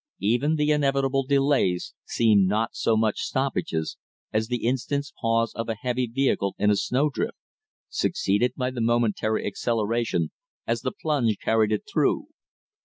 Even the inevitable delays seemed not so much stoppages as the instant's pause of a heavy vehicle in a snow drift, succeeded by the momentary acceleration as the plunge carried it through.